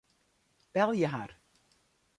Belje har.